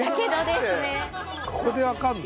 ここで分かんの？